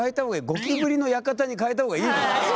「ゴキブリの館」に変えた方がいい。